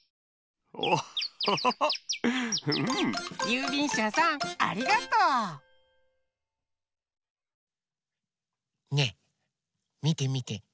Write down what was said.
ゆうびんしゃさんありがとう！ねえみてみて。